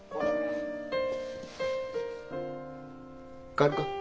帰るか？